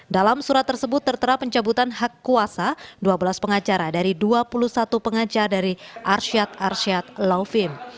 dalam surat tersebut tertera pencabutan hak kuasa dua belas pengacara dari dua puluh satu pengaca dari arsyad arsyad lawvim